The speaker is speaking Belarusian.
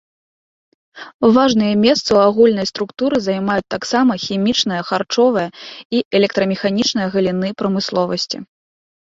Важныя месцы ў агульнай структуры займаюць таксама хімічная, харчовая і электрамеханічная галіны прамысловасці.